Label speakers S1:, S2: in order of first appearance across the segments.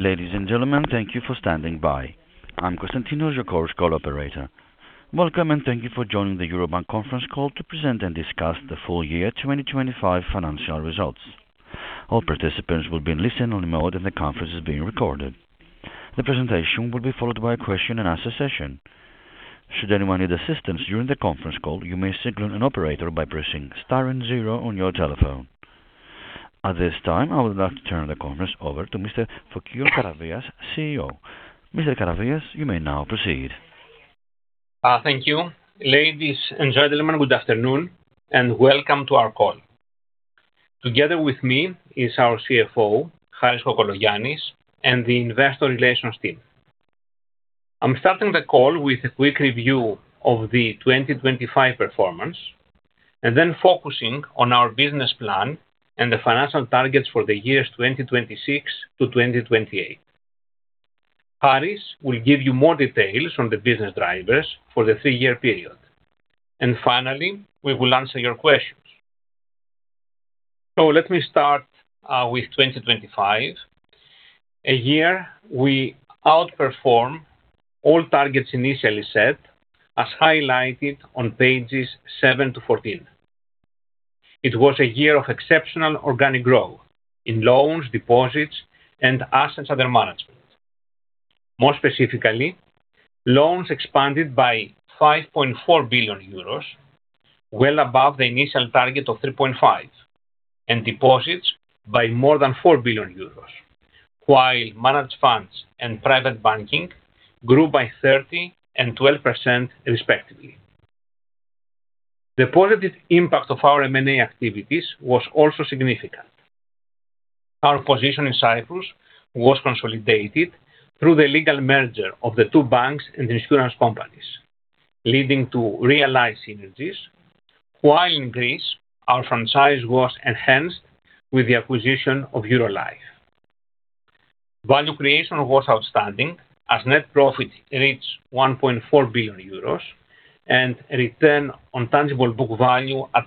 S1: Ladies and gentlemen, thank you for standing by. I'm Constantinos, your Chorus Call operator. Welcome, thank you for joining the Eurobank conference call to present and discuss the full-year 2025 financial results. All participants will be in listen only mode, and the conference is being recorded. The presentation will be followed by a question-and-answer session. Should anyone need assistance during the conference call, you may signal an operator by pressing star and zero on your telephone. At this time, I would like to turn the conference over to Mr. Fokion Karavias, CEO. Mr. Karavias, you may now proceed.
S2: Thank you. Ladies and gentlemen, good afternoon, and welcome to our call. Together with me is our CFO, Harris Kokologiannis, and the investor relations team. I'm starting the call with a quick review of the 2025 performance, then focusing on our business plan and the financial targets for the years 2026 to 2028. Harris will give you more details on the business drivers for the three-year period, and finally, we will answer your questions. Let me start with 2025, a year we outperform all targets initially set, as highlighted on pages 7 to 14. It was a year of exceptional organic growth in loans, deposits, and assets under management. More specifically, loans expanded by 5.4 billion euros, well above the initial target of 3.5 billion, and deposits by more than 4 billion euros, while managed funds and private banking grew by 30% and 12%, respectively. The positive impact of our M&A activities was also significant. Our position in Cyprus was consolidated through the legal merger of the two banks and insurance companies, leading to realized synergies, while in Greece, our franchise was enhanced with the acquisition of Eurolife. Value creation was outstanding as net profit reached 1.4 billion euros and return on tangible book value at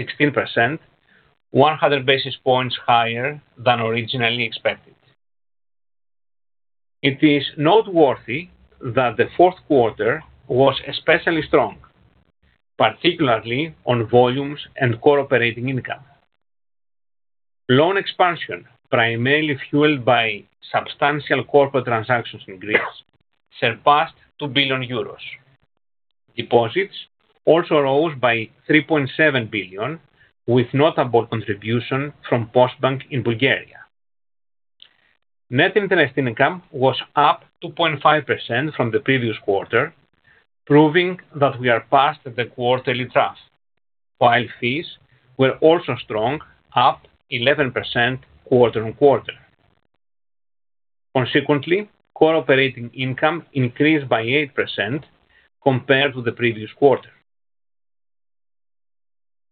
S2: 16%, 100 basis points higher than originally expected. It is noteworthy that the fourth quarter was especially strong, particularly on volumes and core operating income. Loan expansion, primarily fueled by substantial corporate transactions in Greece, surpassed 2 billion euros. Deposits also rose by 3.7 billion, with notable contribution from Postbank in Bulgaria. Net interesting income was up 2.5% from the previous quarter, proving that we are past the quarterly trust, while fees were also strong, up 11% quarter-on-quarter. Consequently, core operating income increased by 8% compared to the previous quarter.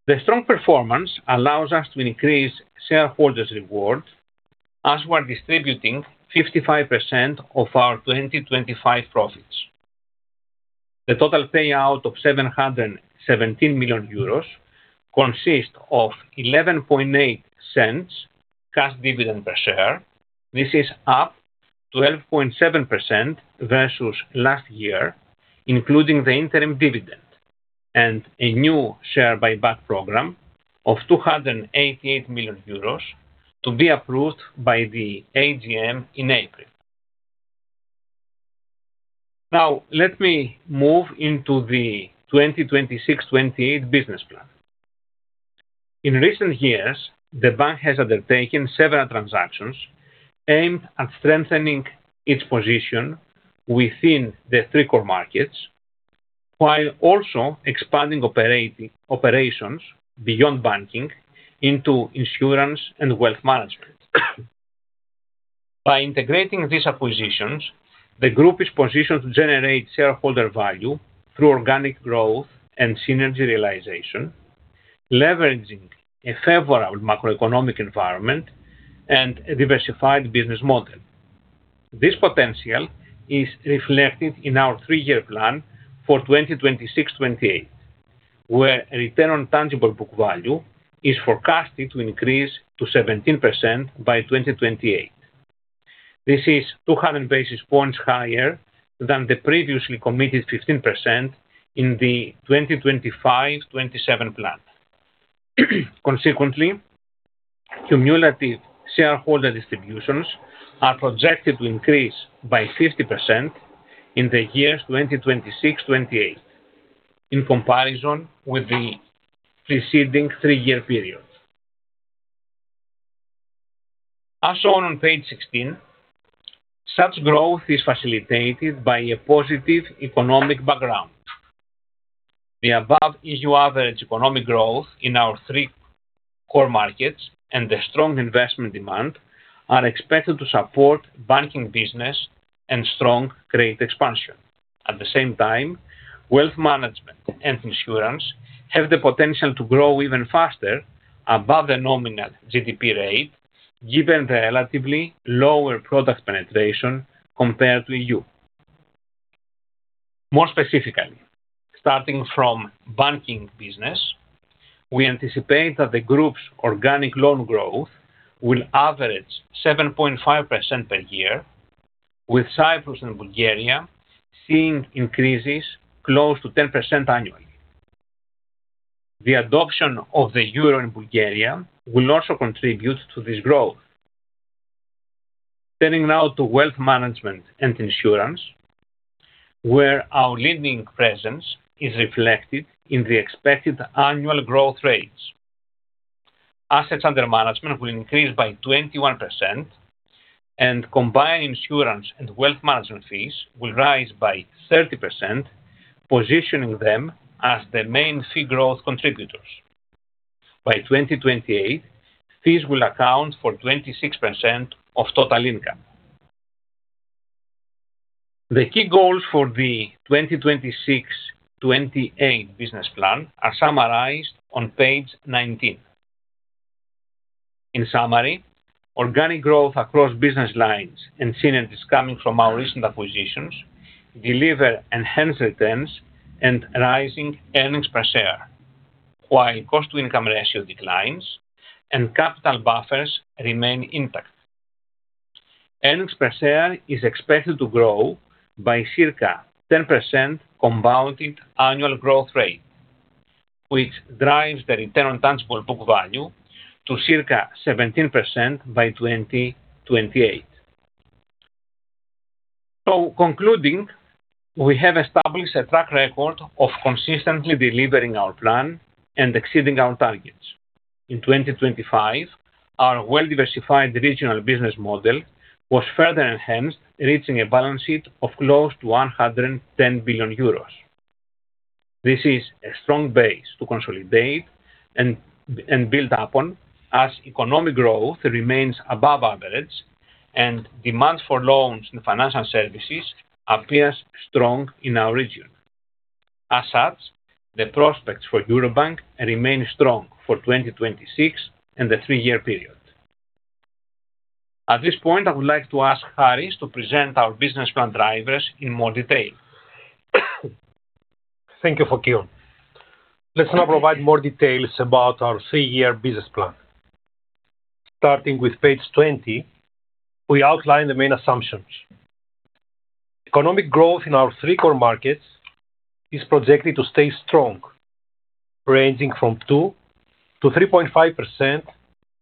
S2: The strong performance allows us to increase shareholders' reward as we are distributing 55% of our 2025 profits. The total payout of 717 million euros consists of 0.118 cash dividend per share. This is up 12.7% versus last year, including the interim dividend and a new share buyback program of 288 million euros to be approved by the AGM in April. Now, let me move into the 2026-2028 business plan. In recent years, the bank has undertaken several transactions aimed at strengthening its position within the three core markets, while also expanding operations beyond banking into insurance wealth management. by integrating these acquisitions, the group is positioned to generate shareholder value through organic growth and synergy realization, leveraging a favorable macroeconomic environment and a diversified business model. This potential is reflected in our three-year plan for 2026-2028, where return on tangible book value is forecasted to increase to 17% by 2028. This is 200 basis points higher than the previously committed 15% in the 2025-2027 plan. Consequently, cumulative shareholder distributions are projected to increase by 50% in the years 2026-2028, in comparison with the preceding three-year period. As shown on page 16, such growth is facilitated by a positive economic background. The above EU average economic growth in our three core markets and the strong investment demand are expected to support banking, business, and strong wealth management and insurance have the potential to grow even faster above the nominal GDP rate, given the relatively lower product penetration compared to EU. Starting from banking business, we anticipate that the group's organic loan growth will average 7.5% per year, with Cyprus and Bulgaria seeing increases close to 10% annually. The adoption of the euro in Bulgaria will also contribute to this growth. Turning wealth management and insurance, where our leading presence is reflected in the expected annual growth rates. Assets under management will increase by 21%, and combined insurance wealth management fees will rise by 30%, positioning them as the main fee growth contributors. By 2028, fees will account for 26% of total income. The key goals for the 2026, 2028 business plan are summarized on page 19. In summary, organic growth across business lines and synergies coming from our recent acquisitions deliver enhanced returns and rising earnings per share, while cost-to-income ratio declines and capital buffers remain intact. Earnings per share is expected to grow by circa 10% compounded annual growth rate, which drives the return on tangible book value to circa 17% by 2028. Concluding, we have established a track record of consistently delivering our plan and exceeding our targets. In 2025, our well-diversified regional business model was further enhanced, reaching a balance sheet of close to 110 billion euros. This is a strong base to consolidate and build upon, as economic growth remains above average and demand for loans and financial services appears strong in our region. As such, the prospects for Eurobank remain strong for 2026 and the three-year period. At this point, I would like to ask Harris to present our business plan drivers in more detail.
S3: Thank you, Fokion. Let me now provide more details about our three-year business plan. Starting with page 20, we outline the main assumptions. Economic growth in our three core markets is projected to stay strong, ranging from 2%-3.5%,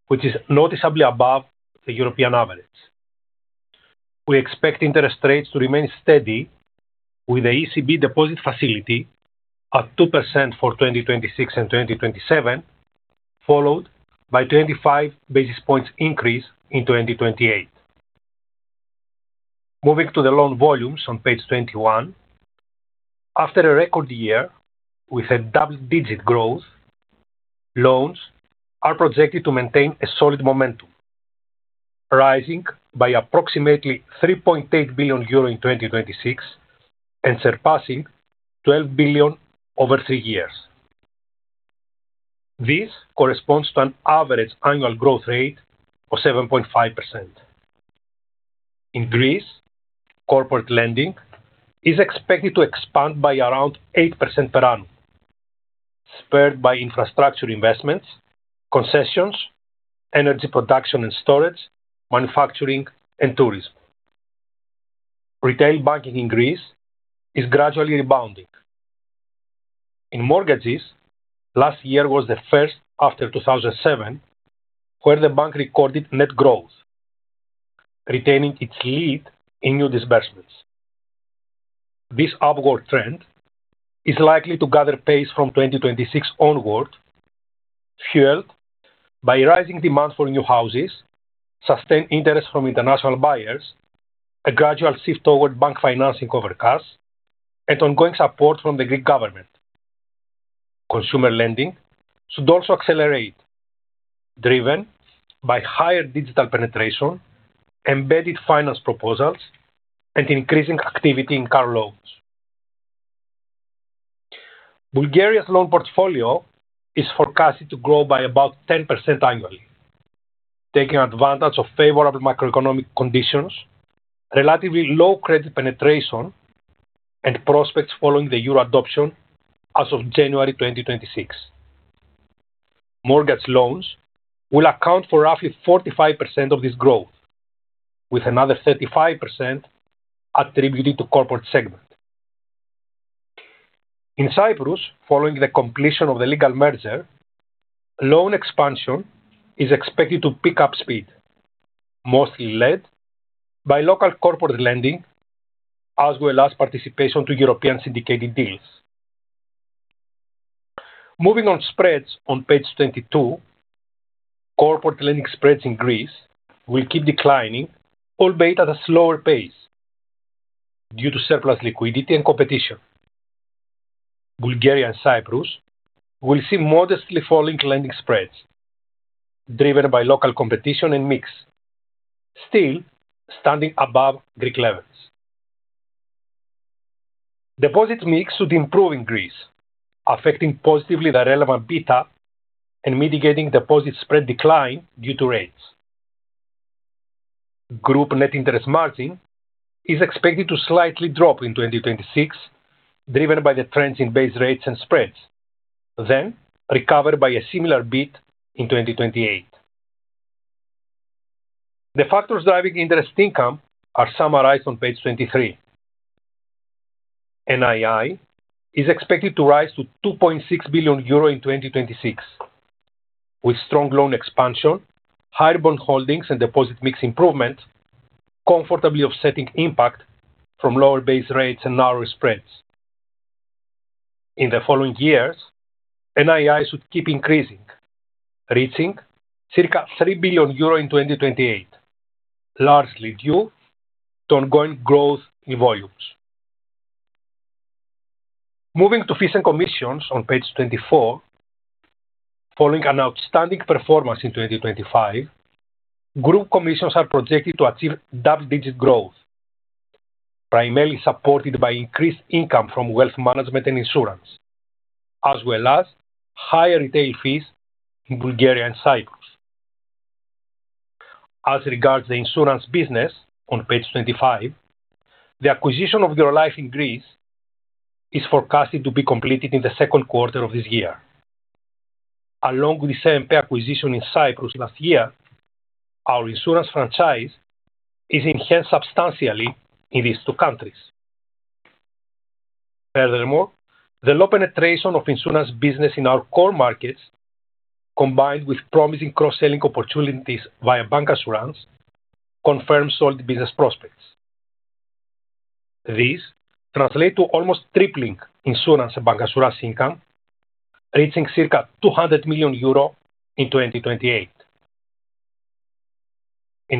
S3: which is noticeably above the European average. We expect interest rates to remain steady, with the ECB deposit facility at 2% for 2026 and 2027, followed by 25 basis points increase in 2028. Moving to the loan volumes on page 21. After a record year with a double-digit growth, loans are projected to maintain a solid momentum, rising by approximately 3.8 billion euro in 2026, and surpassing 12 billion over three years. This corresponds to an average annual growth rate of 7.5%. In Greece, corporate lending is expected to expand by around 8% per annum, spurred by infrastructure investments, concessions, energy production and storage, manufacturing, and tourism. Retail banking in Greece is gradually rebounding. In mortgages, last year was the first after 2007, where the bank recorded net growth, retaining its lead in new disbursements. This upward trend is likely to gather pace from 2026 onward, fueled by rising demand for new houses, sustained interest from international buyers, a gradual shift toward bank financing over cars, and ongoing support from the Greek government. Consumer lending should also accelerate, driven by higher digital penetration, embedded finance proposals, and increasing activity in car loans. Bulgaria's loan portfolio is forecasted to grow by about 10% annually, taking advantage of favorable macroeconomic conditions, relatively low credit penetration, and prospects following the euro adoption as of January 2026. Mortgage loans will account for roughly 45% of this growth, with another 35% attributed to corporate segment. In Cyprus, following the completion of the legal merger, loan expansion is expected to pick up speed, mostly led by local corporate lending, as well as participation to European syndicated deals. Spreads on page 22. Corporate lending spreads in Greece will keep declining, albeit at a slower pace due to surplus liquidity and competition. Bulgaria and Cyprus will see modestly falling lending spreads, driven by local competition and mix, still standing above Greek levels. Deposit mix should improve in Greece, affecting positively the relevant beta and mitigating deposit spread decline due to rates. Group net interest margin is expected to slightly drop in 2026, driven by the trends in base rates and spreads, then recover by a similar bit in 2028. The factors driving interest income are summarized on page 23. NII is expected to rise to 2.6 billion euro in 2026, with strong loan expansion, higher bond holdings and deposit mix improvement, comfortably offsetting impact from lower base rates and narrower spreads. In the following years, NII should keep increasing, reaching circa 3 billion euro in 2028, largely due to ongoing growth in volumes. Moving to fees and commissions on page 24. Following an outstanding performance in 2025, group commissions are projected to achieve double-digit growth, primarily supported by increased wealth management and insurance, as well as higher retail fees in Bulgaria and Cyprus. As regards the insurance business on page 25, the acquisition of Eurolife in Greece is forecasted to be completed in the second quarter of this year. Along with the CNP acquisition in Cyprus last year, our insurance franchise is enhanced substantially in these two countries. Furthermore, the low penetration of insurance business in our core markets, combined with promising cross-selling opportunities via bancassurance, confirms solid business prospects. These translate to almost tripling insurance and bancassurance income, reaching circa 200 million euro in 2028.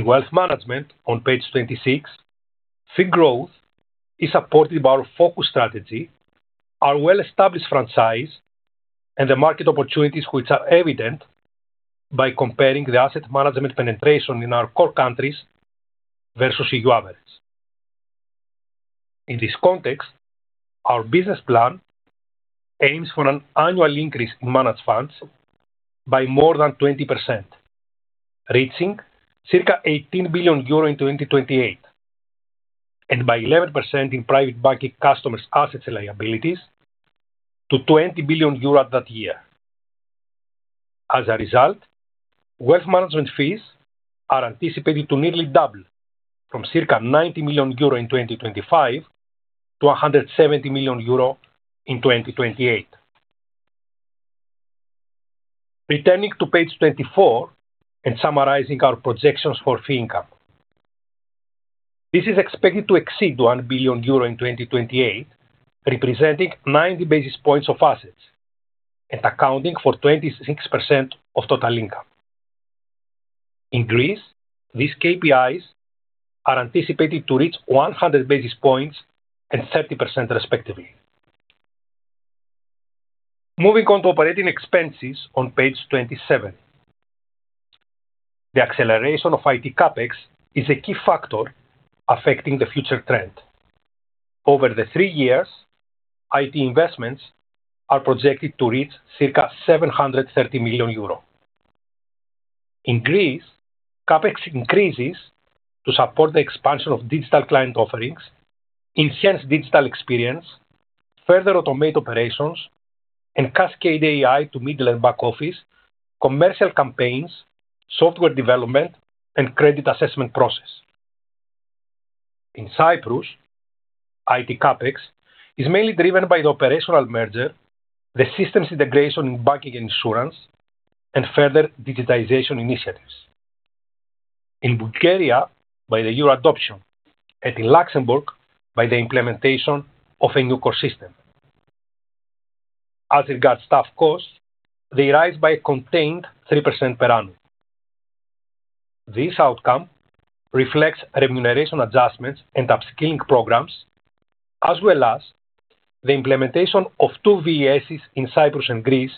S3: Wealth management on page 26, fee growth is supported by our focus strategy, our well-established franchise, and the market opportunities, which are evident by comparing the asset management penetration in our core countries versus EU average. In this context, our business plan aims for an annual increase in managed funds by more than 20%, reaching circa 18 billion euro in 2028, and by 11% in private banking customers assets and liabilities to 20 billion euros that year. As a wealth management fees are anticipated to nearly double from circa 90 million euro in 2025 to 170 million euro in 2028. Returning to page 24 and summarizing our projections for fee income. This is expected to exceed 1 billion euro in 2028, representing 90 basis points of assets and accounting for 26% of total income. In Greece, these KPIs are anticipated to reach 100 basis points and 30% respectively. Moving on to operating expenses on page 27. The acceleration of IT CapEx is a key factor affecting the future trend. Over the three years, IT investments are projected to reach circa 730 million euro. In Greece, CapEx increases to support the expansion of digital client offerings, enhance digital experience, further automate operations, and cascade AI to middle and back office, commercial campaigns, software development, and credit assessment process. In Cyprus, IT CapEx is mainly driven by the operational merger, the systems integration in banking and insurance, and further digitization initiatives. In Bulgaria, by the euro adoption, and in Luxembourg, by the implementation of a new core system. As regards staff costs, they rise by a contained 3% per annum. This outcome reflects remuneration adjustments and upskilling programs, as well as the implementation of two VES in Cyprus and Greece,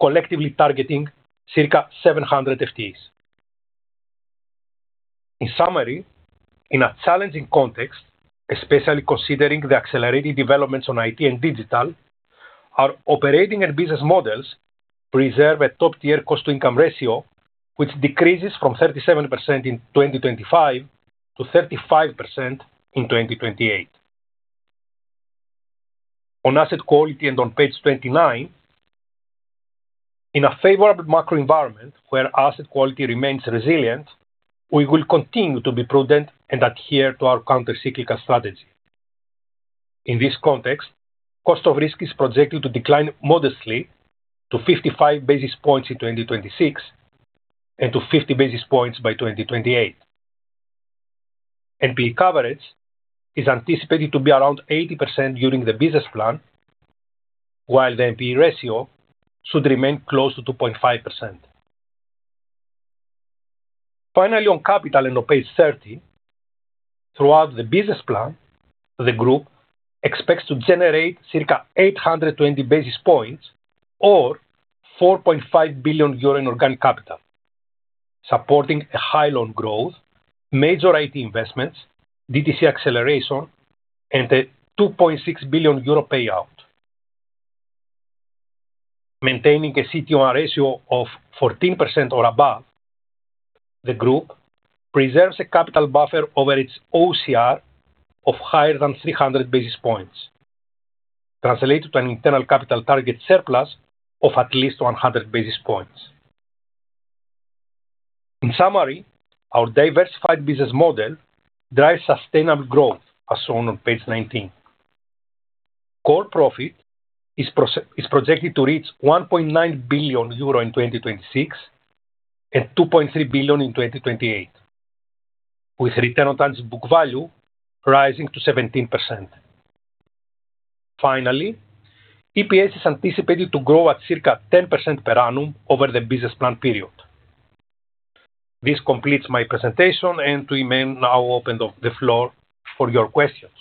S3: collectively targeting circa 700 FTEs. In summary, in a challenging context, especially considering the accelerated developments on IT and digital, our operating and business models preserve a top-tier cost-to-income ratio, which decreases from 37% in 2025 to 35% in 2028. On asset quality and on page 29, in a favorable macro environment where asset quality remains resilient, we will continue to be prudent and adhere to our countercyclical strategy. In this context, cost of risk is projected to decline modestly to 55 basis points in 2026 and to 50 basis points by 2028. NPE coverage is anticipated to be around 80% during the business plan, while the NPE ratio should remain close to 2.5%. On capital and on page 30, throughout the business plan, the group expects to generate circa 820 basis points or 4.5 billion euro in organic capital, supporting a high loan growth, major IT investments, DTC acceleration, and a 2.6 billion euro payout. Maintaining a CET1 ratio of 14% or above, the group preserves a capital buffer over its OCR of higher than 300 basis points, translated to an internal capital target surplus of at least 100 basis points. In summary, our diversified business model drives sustainable growth, as shown on page 19. Core profit is projected to reach 1.9 billion euro in 2026, and 2.3 billion in 2028, with return on tangible book value rising to 17%. Finally, EPS is anticipated to grow at circa 10% per annum over the business plan period. This completes my presentation. We may now open up the floor for your questions.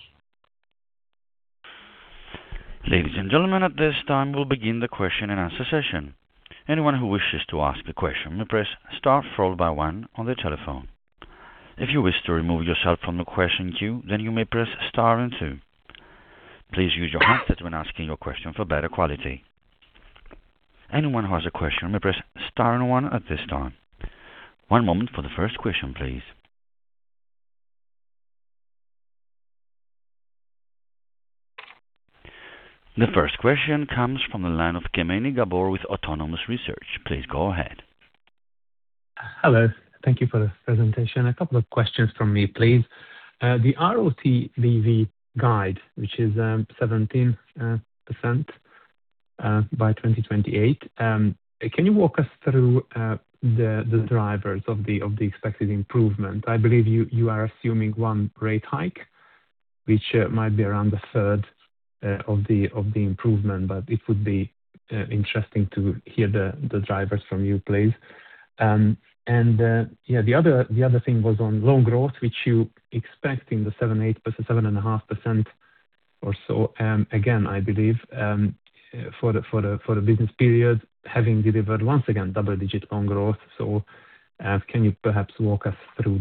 S1: Ladies and gentlemen, at this time, we'll begin the question-and-answer session. Anyone who wishes to ask a question, may press star followed by one on their telephone. If you wish to remove yourself from the question queue, you may press star and two. Please use your headset when asking your question for better quality. Anyone who has a question may press star and one at this time. One moment for the first question, please. The first question comes from the line of Kemeny, Gabor with Autonomous Research. Please go ahead.
S4: Hello. Thank you for the presentation. A couple of questions from me, please. The RoTBV guide, which is 17%, by 2028, can you walk us through the drivers of the expected improvement? I believe you are assuming one rate hike, which might be around the third of the improvement, but it would be interesting to hear the drivers from you, please. The other thing was on loan growth, which you expect in the 7%, 8%, 7.5% or so. Again, I believe, for the business period, having delivered once again, double-digit loan growth. Can you perhaps walk us through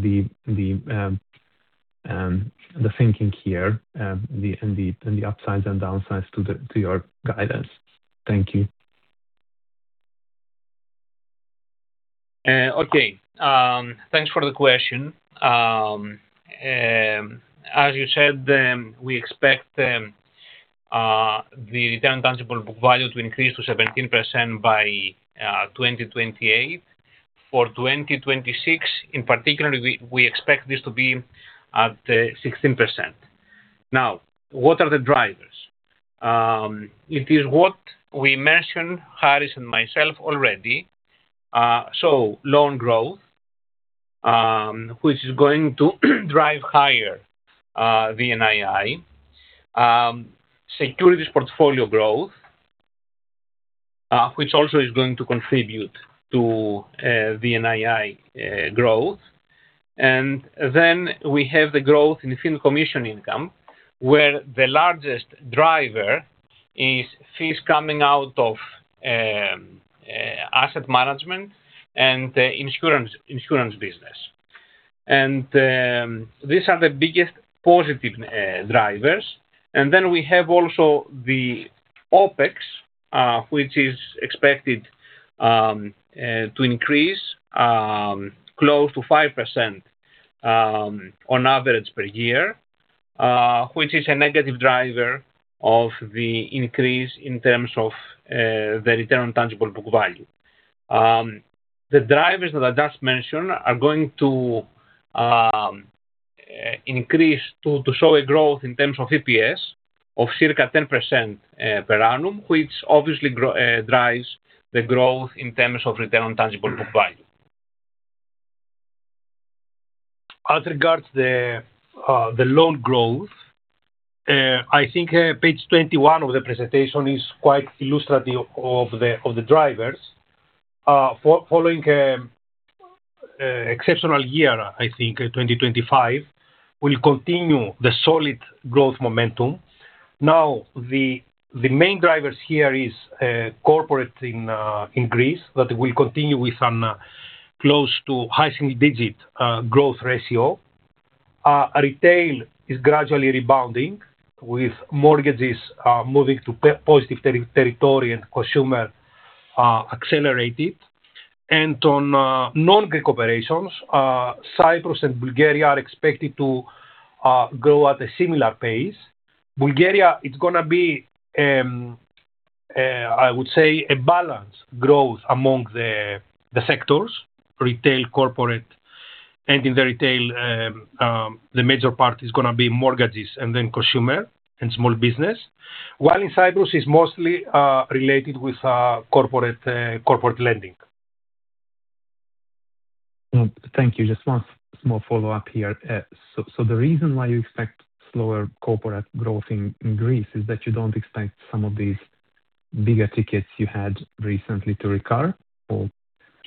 S4: the thinking here, and the upsides and downsides to your guidance? Thank you.
S2: Okay. Thanks for the question. As you said, we expect the return tangible book value to increase to 17% by 2028. For 2026, in particular, we expect this to be at 16%. What are the drivers? It is what we mentioned, Harris and myself already. Loan growth, which is going to drive higher VNII. Securities portfolio growth, which also is going to contribute to VNII growth. We have the growth in fee and commission income, where the largest driver is fees coming out of asset management and the insurance business. These are the biggest positive drivers. We have also the OpEx, which is expected to increase close to 5% on average per year, which is a negative driver of the increase in terms of the return on tangible book value. The drivers that I just mentioned are going to increase to show a growth in terms of EPS of circa 10% per annum, which obviously drives the growth in terms of return on tangible book value. As regards the loan growth, I think page 21 of the presentation is quite illustrative of the drivers. Following exceptional year, I think 2025, will continue the solid growth momentum. Now, the main drivers here is corporate in Greece that will continue with some close to high-single-digit growth ratio. Retail is gradually rebounding, with mortgages moving to positive territory, and consumer accelerated. On non-Greek operations, Cyprus and Bulgaria are expected to grow at a similar pace. Bulgaria, it's going to be, I would say, a balanced growth among the sectors, retail, corporate. In the retail, the major part is going to be mortgages and then consumer and small business. While in Cyprus, is mostly related with corporate lending.
S4: Thank you. Just one small follow-up here. The reason why you expect slower corporate growth in Greece is that you don't expect some of these bigger tickets you had recently to recur, or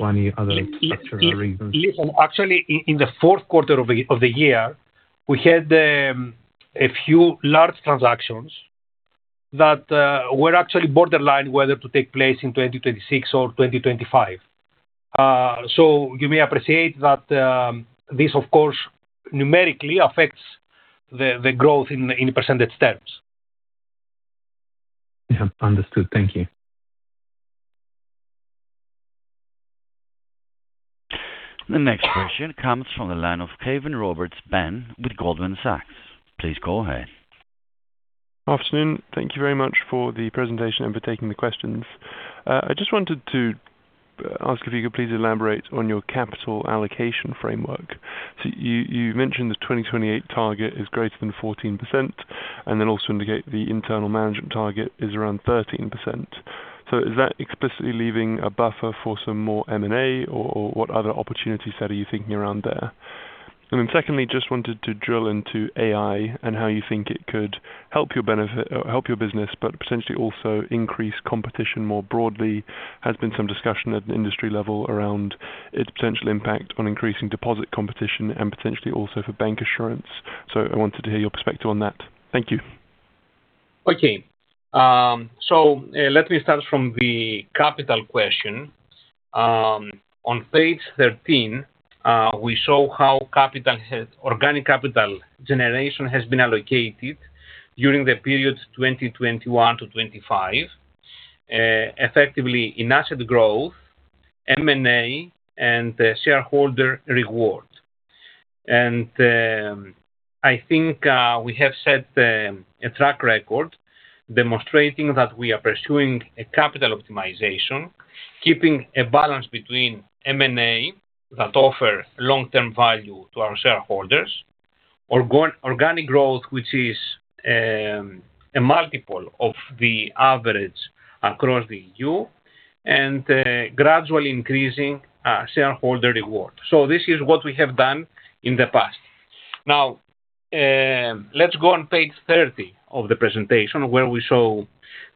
S4: any other structural reasons?
S2: Listen, actually, in the fourth quarter of the year, we had a few large transactions that were actually borderline whether to take place in 2026 or 2025. You may appreciate that, this, of course, numerically affects the growth in percentage terms.
S4: Yeah, understood. Thank you.
S1: The next question comes from the line of Caven-Roberts, Ben with Goldman Sachs. Please go ahead.
S5: Afternoon. Thank you very much for the presentation and for taking the questions. I just wanted to ask if you could please elaborate on your capital allocation framework. You mentioned the 2028 target is greater than 14%, and then also indicate the internal management target is around 13%. Is that explicitly leaving a buffer for some more M&A, or what other opportunity set are you thinking around there? Secondly, just wanted to drill into AI and how you think it could help your business, but potentially also increase competition more broadly. Has been some discussion at an industry level around its potential impact on increasing deposit competition and potentially also for bancassurance. I wanted to hear your perspective on that. Thank you.
S3: Okay. Let me start from the capital question. On page 13, we show how capital has-- Organic capital generation has been allocated during the period 2021-2025, effectively in asset growth, M&A, and shareholder reward. I think we have set a track record demonstrating that we are pursuing a capital optimization, keeping a balance between M&A that offer long-term value to our shareholders, organic growth, which is a multiple of the average across the EU, and gradually increasing shareholder reward. This is what we have done in the past. Let's go on page 30 of the presentation, where we show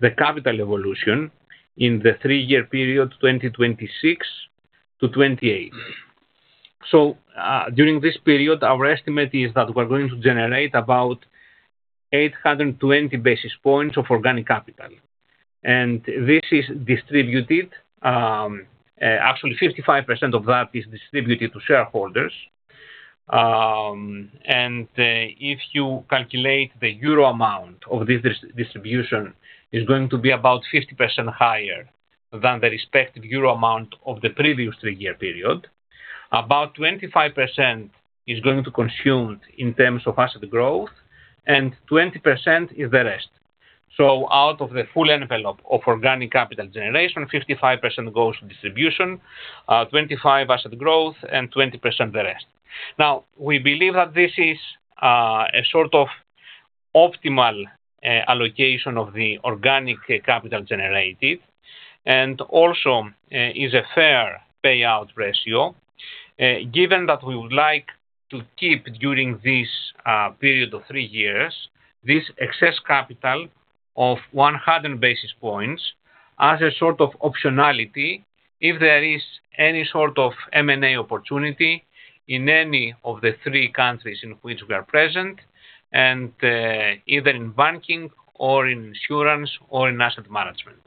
S3: the capital evolution in the three-year period, 2026-2028. During this period, our estimate is that we're going to generate about 820 basis points of organic capital. This is distributed, actually, 55% of that is distributed to shareholders. If you calculate the euro amount of this distribution, is going to be about 50% higher than the respective euro amount of the previous three-year period. About 25% is going to consumed in terms of asset growth, and 20% is the rest. Out of the full envelope of organic capital generation, 55% goes to distribution, 25% asset growth, and 20% the rest. We believe that this is a sort of optimal allocation of the organic capital generated, and also, is a fair payout ratio. Given that we would like to keep during this period of three years, this excess capital of 100 basis points as a sort of optionality, if there is any sort of M&A opportunity in any of the three countries in which we are present. Either in banking or in insurance or in asset management.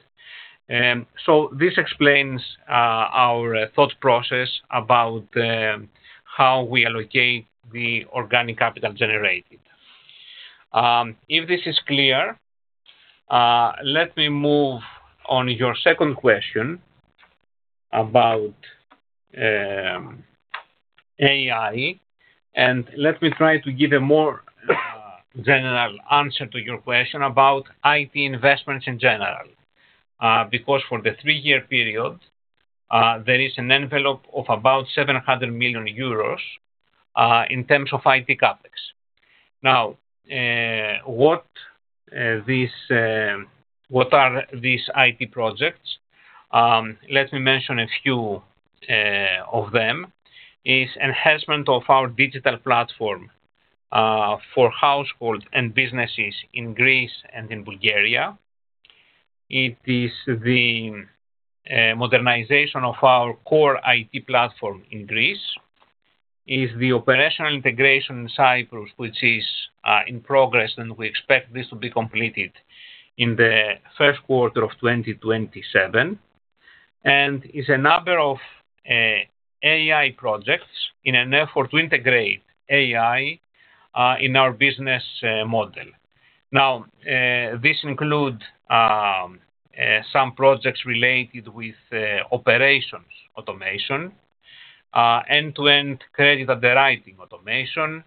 S3: This explains our thought process about how we allocate the organic capital generated. If this is clear, let me move on your second question about AI. Let me try to give a more general answer to your question about IT investments in general. Because for the three-year period, there is an envelope of about 700 million euros in terms of IT CapEx. Now, what are these IT projects? Let me mention a few of them, is enhancement of our digital platform for households and businesses in Greece and in Bulgaria. It is the modernization of our core IT platform in Greece, is the operational integration in Cyprus, which is in progress, and we expect this to be completed in the first quarter of 2027, and is a number of AI projects in an effort to integrate AI in our business model. Now, this include some projects related with operations automation, end-to-end credit underwriting automation,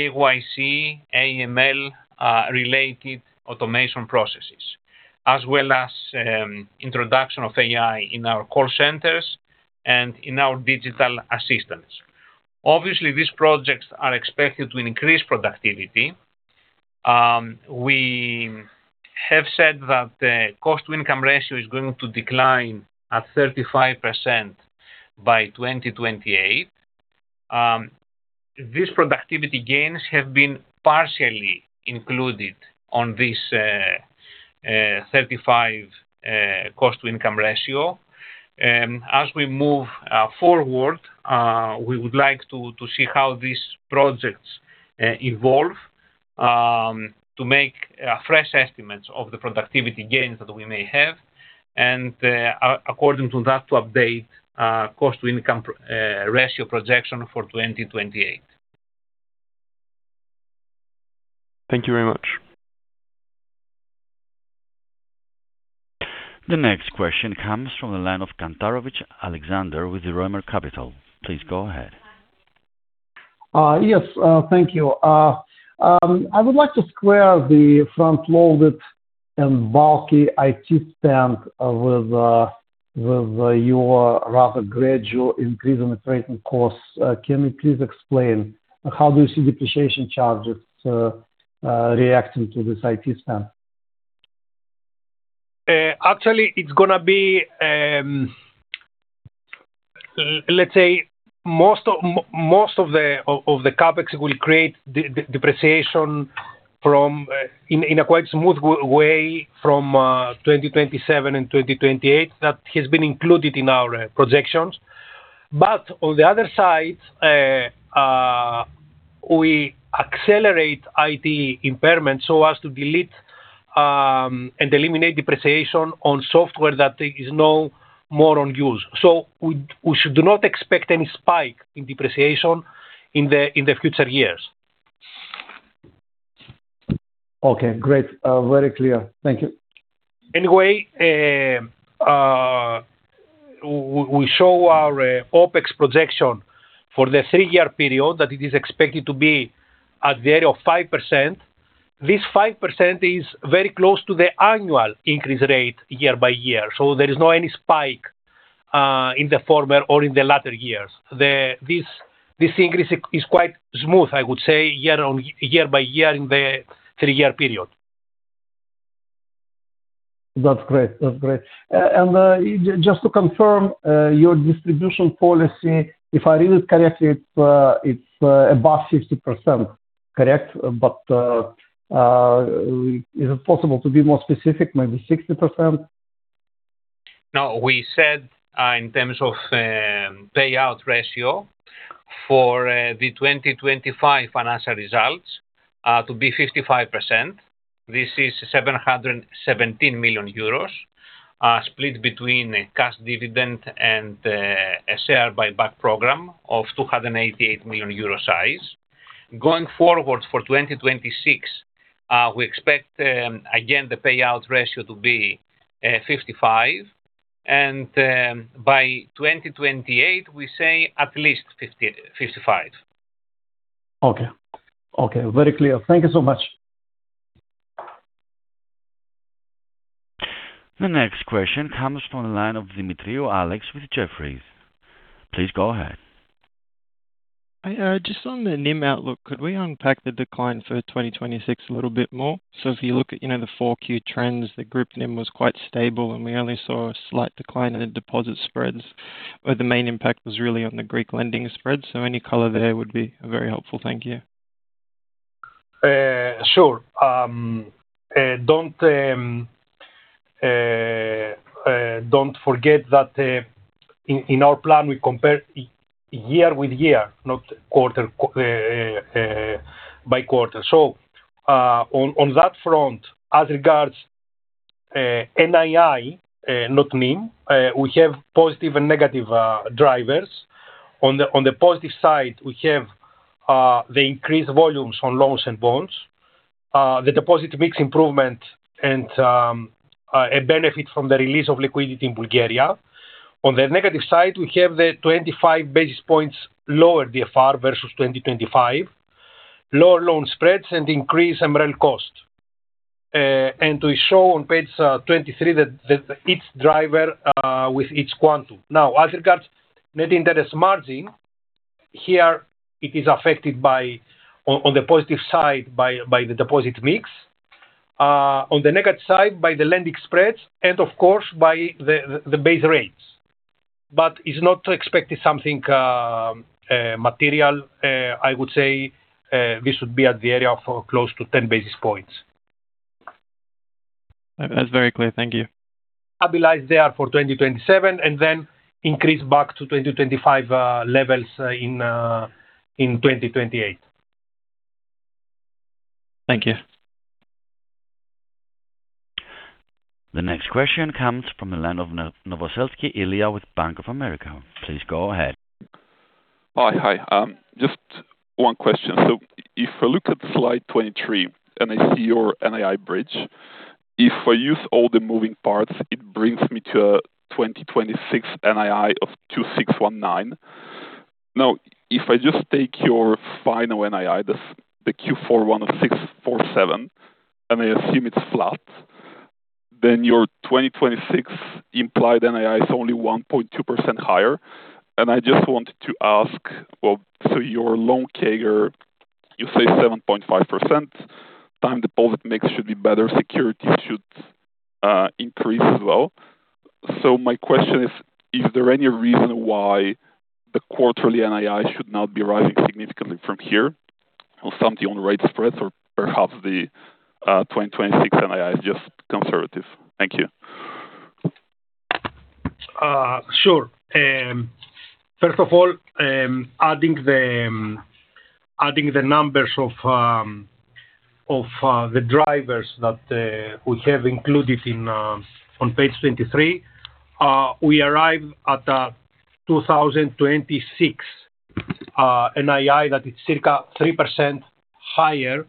S3: KYC, AML related automation processes, as well as introduction of AI in our call centers and in our digital assistants. Obviously, these projects are expected to increase productivity. We have said that the cost-to-income ratio is going to decline at 35% by 2028. These productivity gains have been partially included on this 35% cost-to-income ratio. As we move forward, we would like to see how these projects evolve, to make fresh estimates of the productivity gains that we may have, and according to that, to update cost-to-income ratio projection for 2028.
S5: Thank you very much.
S1: The next question comes from the line of Kantarovich, Alexander with the Roemer Capital. Please go ahead.
S6: Yes, thank you. I would like to square the front-loaded and bulky IT spend with your rather gradual increase in operating costs. Can you please explain, how do you see depreciation charges reacting to this IT spend?
S3: Actually, it's gonna be, let's say, most of the CapEx will create depreciation from, in a quite smooth way from 2027 and 2028. That has been included in our projections. On the other side, we accelerate IT impairment so as to delete and eliminate depreciation on software that is no more on use. We should do not expect any spike in depreciation in the future years.
S6: Okay, great. Very clear. Thank you.
S3: We show our OpEx projection for the three-year period, that it is expected to be at the area of 5%. This 5% is very close to the annual increase rate year by year. There is no any spike in the former or in the latter years. This increase is quite smooth, I would say, year by year in the three-year period.
S6: That's great. That's great. Just to confirm, your distribution policy, if I read it correctly, it's above 60%. Correct? Is it possible to be more specific, maybe 60%?
S3: No, we said, in terms of payout ratio for the 2025 financial results, to be 55%. This is 717 million euros, split between a cash dividend and a share buyback program of 288 million euro size. Going forward for 2026, we expect again, the payout ratio to be 55%, and by 2028, we say at least 55%.
S6: Okay. Okay, very clear. Thank you so much.
S1: The next question comes from the line of Demetriou, Alex with Jefferies. Please go ahead.
S7: Just on the NIM outlook, could we unpack the decline for 2026 a little bit more? If you look at, you know, the 4Q trends, the group NIM was quite stable, and we only saw a slight decline in the deposit spreads, but the main impact was really on the Greek lending spread. Any color there would be very helpful. Thank you.
S3: Sure. Don't forget that in our plan, we compare year with year, not quarter by quarter. On that front, as regards NII, not NIM, we have positive and negative drivers. On the positive side, we have the increased volumes on loans and bonds, the deposit mix improvement and a benefit from the release of liquidity in Bulgaria. On the negative side, we have the 25 basis points lower DFR versus 2025, lower loan spreads, and increased MREL cost. We show on page 23 that each driver with each quantum. As regards net interest margin, here it is affected by, on the positive side, by the deposit mix, on the negative side, by the lending spreads, and of course, by the base rates. It's not to expect something material. I would say, this would be at the area of close to 10 basis points.
S7: That's very clear. Thank you.
S3: Stabilize there for 2027, and then increase back to 2025 levels in 2028.
S7: Thank you.
S1: The next question comes from the line of Novosselsky, Ilija with Bank of America. Please go ahead.
S8: Hi. Hi, just one question. If I look at slide 23, and I see your NII bridge, if I use all the moving parts, it brings me to a 2026 NII of 2,619 million. If I just take your final NII, the Q4 one of 647 million, and I assume it's flat, then your 2026 implied NII is only 1.2% higher. I just wanted to ask. Well, your loan CAGR, you say 7.5%, time deposit mix should be better, securities should increase as well. My question is: Is there any reason why the quarterly NII should not be rising significantly from here? Something on the rate spreads or perhaps the 2026 NII is just conservative? Thank you.
S3: First of all, adding the numbers of the drivers that we have included on page 23, we arrive at 2026 NII that is circa 3% higher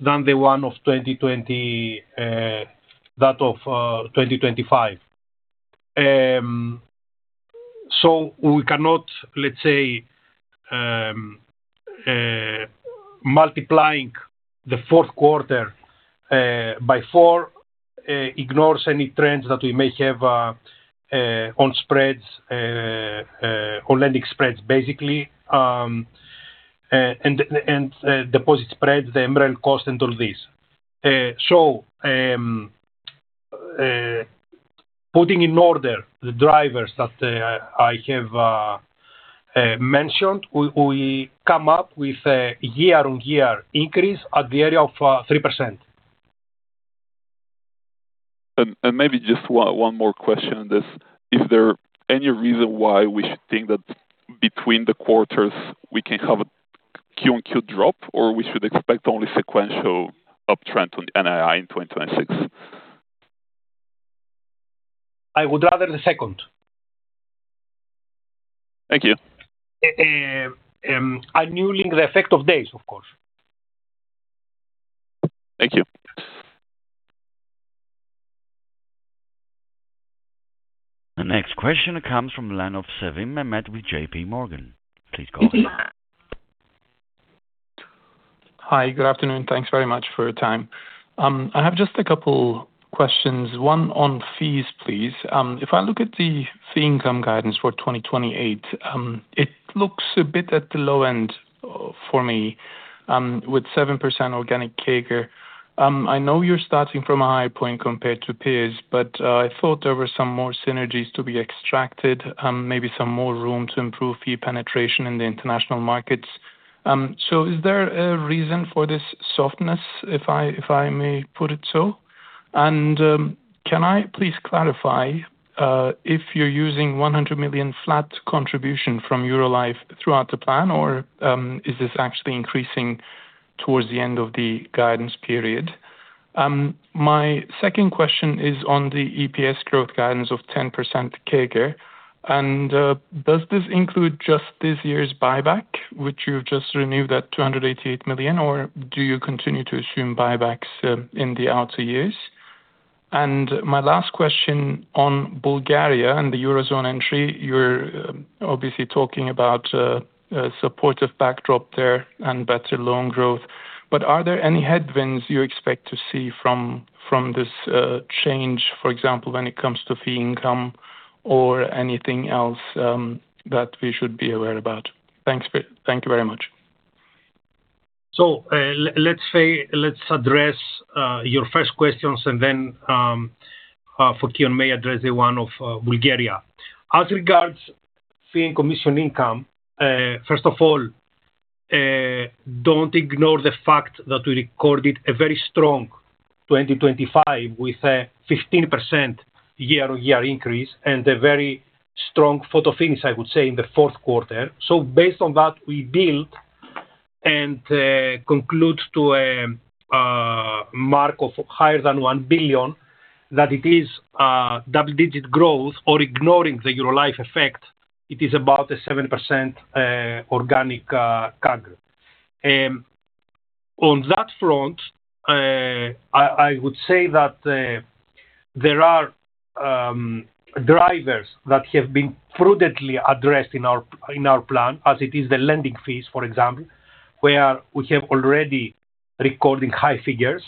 S3: than the one of 2020, that of 2025. We cannot, let's say, multiplying the fourth quarter by four ignores any trends that we may have on spreads, on lending spreads, basically. And deposit spreads, the emerald cost, and all this. Putting in order the drivers that I have mentioned, we come up with a year-on-year increase at the area of 3%.
S8: Maybe just one more question on this. Is there any reason why we should think that between the quarters we can have a Q-on-Q drop, or we should expect only sequential uptrend on NII in 2026?
S3: I would rather the second.
S8: Thank you.
S3: Annulling the effect of days, of course.
S8: Thank you.
S1: The next question comes from the line of Sevim, Mehmet with JPMorgan. Please go ahead.
S9: Hi. Good afternoon. Thanks very much for your time. I have just a couple questions, one on fees, please. If I look at the fee income guidance for 2028, it looks a bit at the low end for me, with 7% organic CAGR. I know you're starting from a high point compared to peers, but I thought there were some more synergies to be extracted, maybe some more room to improve fee penetration in the international markets. Is there a reason for this softness, if I may put it so? Can I please clarify if you're using 100 million flat contribution from Eurolife throughout the plan, or is this actually increasing towards the end of the guidance period? My second question is on the EPS growth guidance of 10% CAGR. Does this include just this year's buyback, which you've just renewed at 288 million, or do you continue to assume buybacks in the outer years? My last question on Bulgaria and the Eurozone entry, you're obviously talking about a supportive backdrop there and better loan growth. Are there any headwinds you expect to see from this change, for example, when it comes to fee income or anything else that we should be aware about? Thank you very much.
S3: Let's address your first questions and then for Fokion may address the one of Bulgaria. As regards fee and commission income, first of all, don't ignore the fact that we recorded a very strong 2025, with a 15% year-on-year increase and a very strong photo finish, I would say, in Q4. Based on that, we built and conclude to a mark of higher than 1 billion, that it is double-digit growth or ignoring the Eurolife effect, it is about a 7% organic CAGR. On that front, I would say that there are drivers that have been prudently addressed in our plan, as it is the lending fees, for example, where we have already recording high figures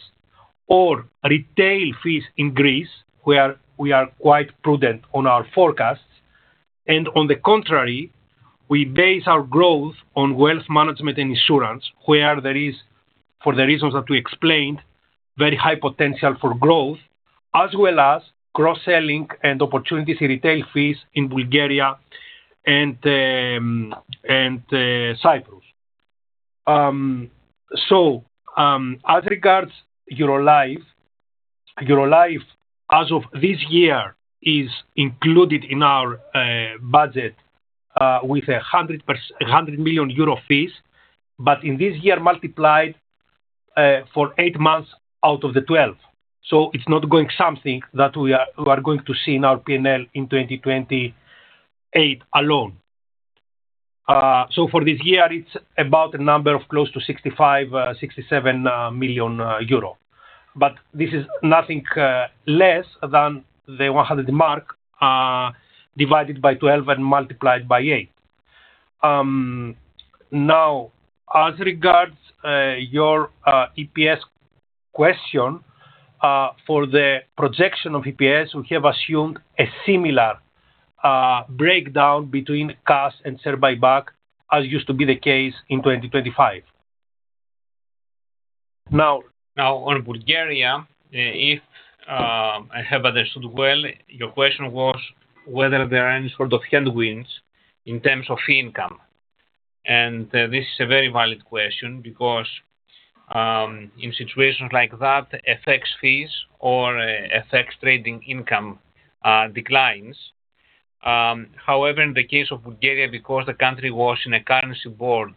S3: or retail fees in Greece, where we are quite prudent on our forecasts. On the contrary, we base our wealth management and insurance, where there is, for the reasons that we explained, very high potential for growth, as well as cross-selling and opportunities in retail fees in Bulgaria and Cyprus. As regards Eurolife, as of this year, is included in our budget with 100 million euro fees, but in this year, multiplied for eight months out of the 12. It's not going something that we are going to see in our P&L in 2028 alone. For this year, it's about a number of close to 65 million-67 million euro. This is nothing less than the 100 mark, divided by 12 and multiplied by eight. As regards your EPS question, for the projection of EPS, we have assumed a similar breakdown between CAS and share buyback, as used to be the case in 2025.
S2: Now, on Bulgaria, if I have understood well, your question was whether there are any sort of headwinds in terms of fee income? This is a very valid question because in situations like that, FX fees or FX trading income declines. However, in the case of Bulgaria, because the country was in a currency board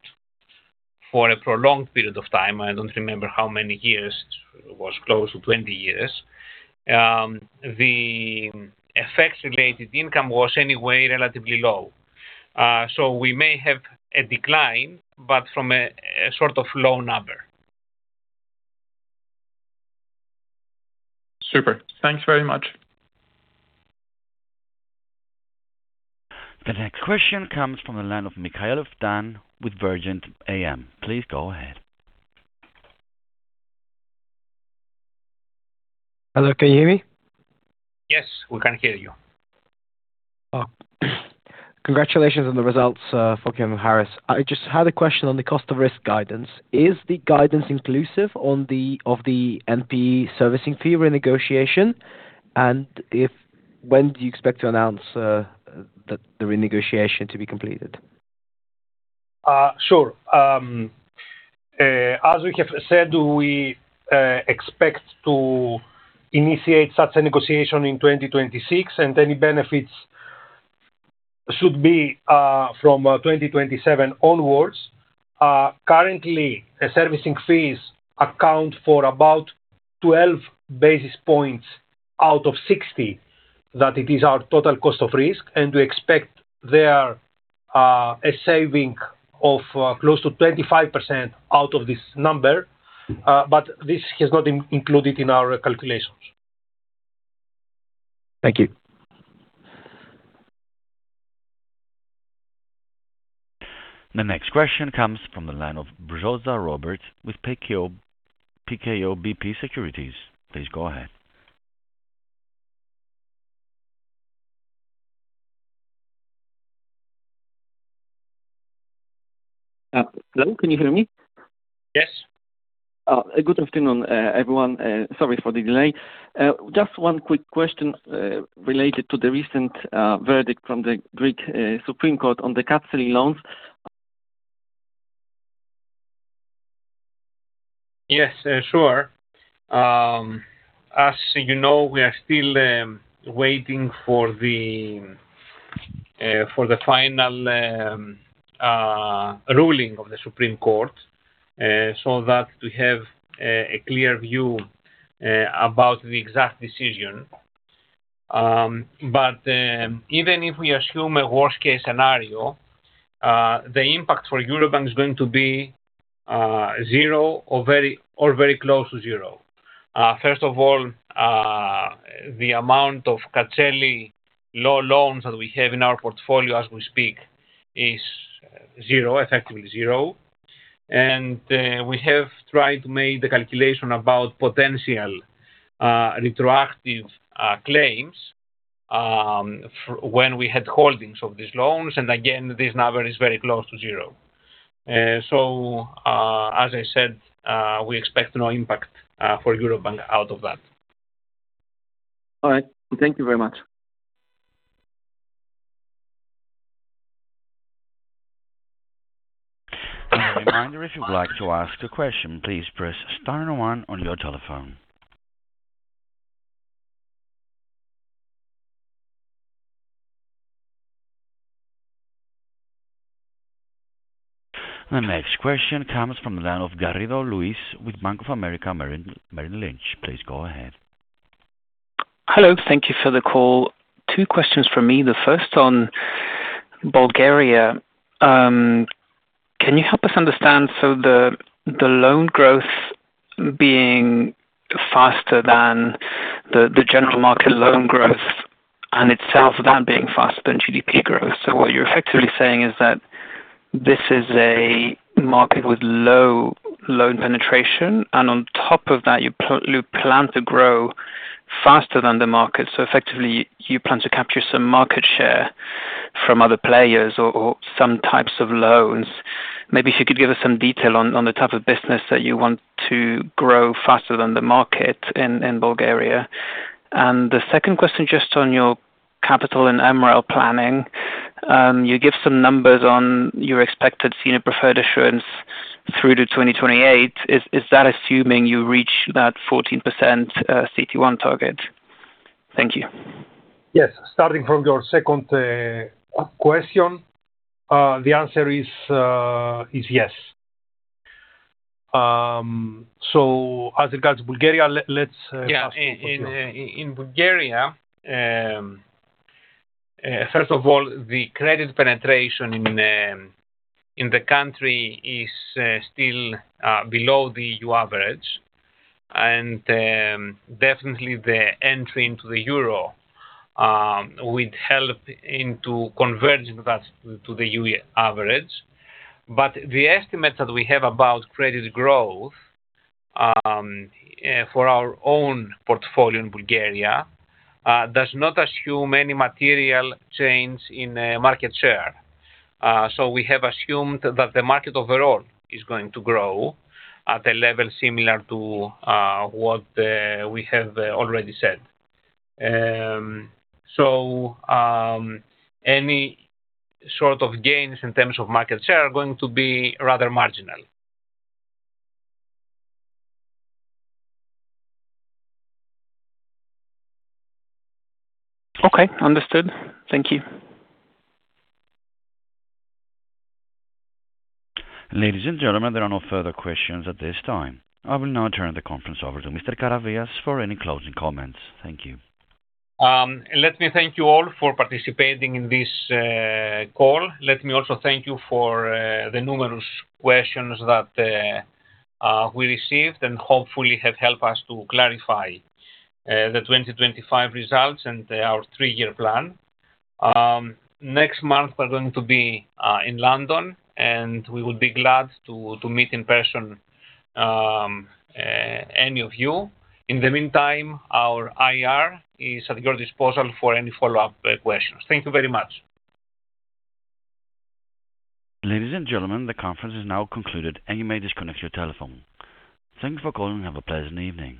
S2: for a prolonged period of time, I don't remember how many years, it was close to 20 years, the FX-related income was anyway relatively low. We may have a decline, but from a sort of low number.
S9: Super. Thanks very much.
S1: The next question comes from the line of Mikhaylov, Dan with Vergent AM. Please go ahead.
S10: Hello, can you hear me?
S2: Yes, we can hear you.
S10: Congratulations on the results, Fokion and Harris. I just had a question on the cost of risk guidance. Is the guidance inclusive of the NPE servicing fee renegotiation? When do you expect to announce the renegotiation to be completed?
S3: Sure. As we have said, we expect to initiate such a negotiation in 2026, and any benefits should be from 2027 onwards. Currently, the servicing fees account for about 12 basis points out of 60, that it is our total cost of risk, and we expect there a saving of close to 25% out of this number. This is not included in our calculations.
S10: Thank you.
S1: The next question comes from the line of Brzoza, Robert with PKO BP Securities. Please go ahead.
S11: Hello, can you hear me?
S2: Yes.
S11: Good afternoon, everyone, sorry for the delay. Just one quick question, related to the recent verdict from the Greek Supreme Court on the Katseli loans.
S2: Yes, sure. As you know, we are still waiting for the final ruling of the Supreme Court, so that we have a clear view about the exact decision. Even if we assume a worst-case scenario, the impact for Eurobank is going to be zero or very close to zero. First of all, the amount of Katseli loans that we have in our portfolio as we speak, is zero, effectively zero. We have tried to make the calculation about potential retroactive claims, for when we had holdings of these loans, and again, this number is very close to zero. As I said, we expect no impact for Eurobank out of that.
S11: All right. Thank you very much.
S1: A reminder, if you'd like to ask a question, please press star one on your telephone. The next question comes from the line of Garrido, Luis with Bank of America Merrill Lynch. Please go ahead.
S12: Hello, thank you for the call. Two questions from me. The first on Bulgaria. Can you help us understand, the loan growth being faster than the general market loan growth and itself, that being faster than GDP growth. What you're effectively saying is that this is a market with low loan penetration, and on top of that, you plan to grow faster than the market. Effectively, you plan to capture some market share from other players or some types of loans. Maybe if you could give us some detail on the type of business that you want to grow faster than the market in Bulgaria. The second question, just on your capital and MREL planning. You give some numbers on your expected senior preferred issuance through to 2028. Is that assuming you reach that 14% CET1 target? Thank you.
S3: Yes. Starting from your second question, the answer is yes. As regards to Bulgaria, let's—
S2: In Bulgaria, first of all, the credit penetration in the country is still below the EU average, and definitely, the entry into the euro would help into converging that to the EU average. The estimates that we have about credit growth for our own portfolio in Bulgaria does not assume any material change in market share. We have assumed that the market overall is going to grow at a level similar to what we have already said. Any sort of gains in terms of market share are going to be rather marginal.
S12: Okay, understood. Thank you.
S1: Ladies and gentlemen, there are no further questions at this time. I will now turn the conference over to Mr. Karavias for any closing comments. Thank you.
S2: Let me thank you all for participating in this call. Let me also thank you for the numerous questions that we received, and hopefully, have helped us to clarify the 2025 results and our three-year plan. Next month, we're going to be in London, and we will be glad to meet in person any of you. In the meantime, our IR is at your disposal for any follow-up questions. Thank you very much.
S1: Ladies and gentlemen, the conference is now concluded. You may disconnect your telephone. Thank you for calling, and have a pleasant evening.